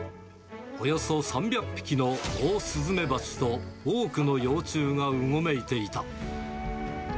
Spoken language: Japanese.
およそ３００匹のオオスズメバチと多くの幼虫がうごめいていた。